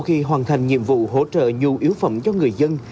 khi hoàn thành nhiệm vụ hỗ trợ nhu yếu phẩm cho người dân